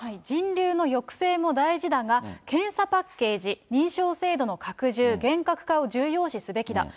人流の抑制も大事だが、検査パッケージ、認証制度の拡充、厳格化を重要視すべきだ。